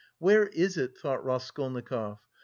"Where is it," thought Raskolnikov.